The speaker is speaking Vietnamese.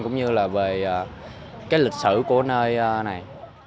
nó là về cái lịch sử của nơi này